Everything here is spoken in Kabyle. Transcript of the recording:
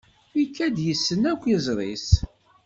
Ikad-d yessen akk izri-s.